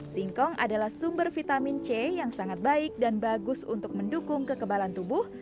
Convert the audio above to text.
singkong adalah sumber vitamin c yang sangat baik dan bagus untuk mendukung kekebalan tubuh